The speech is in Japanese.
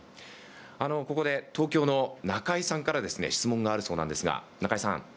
ここで東京の中井さんから質問があるそうなんですが中井さん。